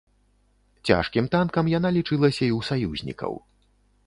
Цяжкім танкам яна лічылася і ў саюзнікаў.